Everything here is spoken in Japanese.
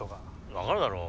分かるだろう。